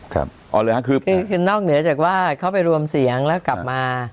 อ๋อเลยครับคือนอกเหนือจากว่าเขาไปรวมเสียงแล้วกลับมา